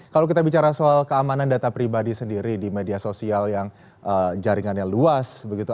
kalau kita bicara soal keamanan data pribadi sendiri di media sosial yang jaringannya luas begitu